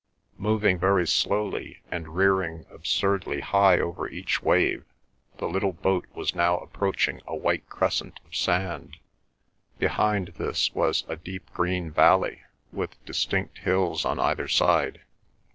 Moving very slowly, and rearing absurdly high over each wave, the little boat was now approaching a white crescent of sand. Behind this was a deep green valley, with distinct hills on either side.